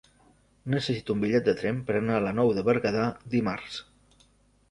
Necessito un bitllet de tren per anar a la Nou de Berguedà dimarts.